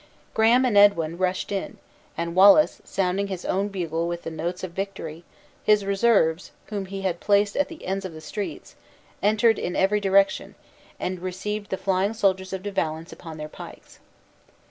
Graham and Edwin rushed in; and Wallace, sounding his own bugle with the notes of victory, his reserves (whom he had placed at the ends of the streets) entered in every direction, and received the flying soldiers of De Valence upon their pikes.